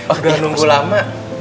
eh udah nunggu lama